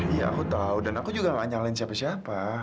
iya aku tahu dan aku juga gak nyalain siapa siapa